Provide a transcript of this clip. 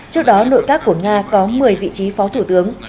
trước đó nội các của nga có một mươi vị trí phó thủ tướng